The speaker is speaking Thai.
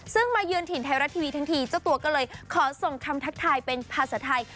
ซึ่งมาเยือนถิ่นไทยรัฐทีวีทั้งทีเจ้าตัวก็เลยขอส่งคำทักทายเป็นภาษาไทย